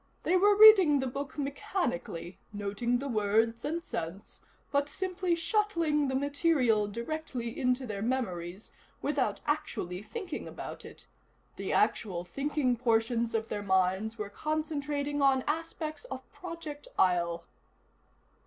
They were reading the book mechanically, noting the words and sense, but simply shuttling the material directly into their memories without actually thinking about it. The actual thinking portions of their minds were concentrating on aspects of Project Isle."